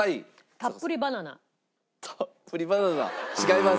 たっぷりバナナ違います。